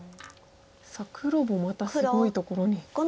さあ黒もまたすごいところに。